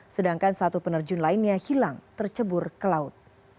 sedangkan satu penerjun lainnya hilang tercebur ke laut